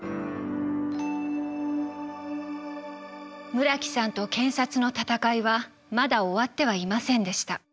村木さんと検察の闘いはまだ終わってはいませんでした。